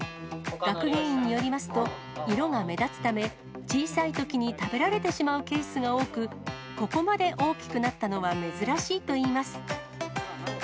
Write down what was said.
学芸員によりますと、色が目立つため、小さいときに食べられてしまうケースが多く、ここまで大きくなったのは珍しいといいます。